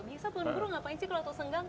bisa tuan guru ngapain sih kalau toh senggang